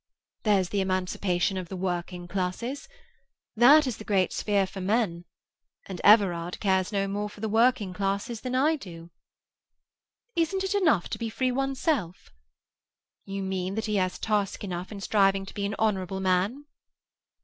"There's the emancipation of the working classes. That is the great sphere for men; and Everard cares no more for the working classes than I do." "Isn't it enough to be free oneself?" "You mean that he has task enough in striving to be an honourable man?"